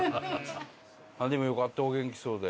でもよかったお元気そうで。